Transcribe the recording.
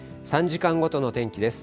３時間ごとの天気です。